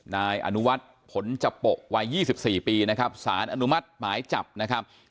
นายอนุวัฒน์ผลจปกวัย๒๔ปีนะครับสารอนุมัติหมายจับนะครับ